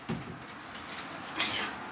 よいしょ。